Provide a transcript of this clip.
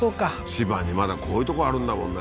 千葉にまだこういうとこあるんだもんね